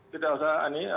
tidak usah ini